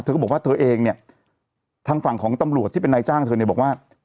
ก็บอกว่าเธอเองเนี่ยทางฝั่งของตำรวจที่เป็นนายจ้างเธอเนี่ยบอกว่า